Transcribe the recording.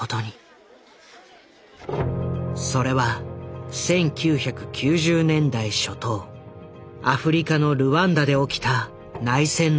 それは１９９０年代初頭アフリカのルワンダで起きた内戦の時だ。